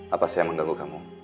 apa sih yang mengganggu kamu